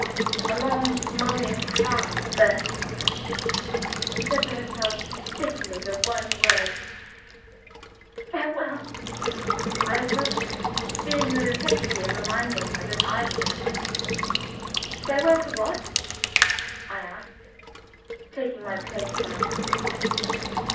A long moaning cry burst from her. She said to herself bitterly the one word "Farewell!" I approached her; feeling the necessity of reminding her that I was in the room. "Farewell to what?" I asked, taking my place by her side.